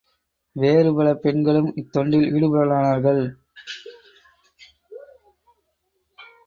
வேறு பல பெண்களும், இத்தொண்டில் ஈடுபடலானார்கள்.